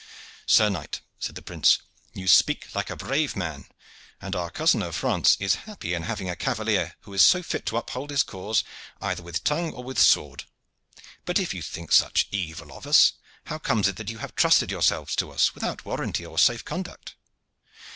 "Sir knight," said the prince, "you speak like a brave man, and our cousin of France is happy in having a cavalier who is so fit to uphold his cause either with tongue or with sword. But if you think such evil of us, how comes it that you have trusted yourselves to us without warranty or safe conduct?"